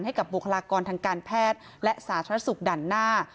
บุคลากรทางการแพทย์และสาธารณสุขด่านหน้า